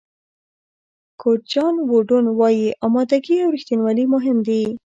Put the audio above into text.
کوچ جان ووډن وایي آمادګي او رښتینولي مهم دي.